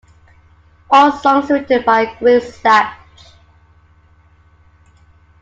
All songs written by Greg Sage.